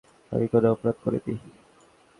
আমি কোনো অপরাধ করিনি।